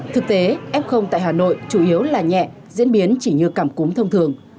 thực tế f tại hà nội chủ yếu là nhẹ diễn biến chỉ như cảm cúm thông thường